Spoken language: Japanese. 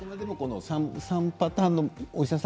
３パターンのお医者さん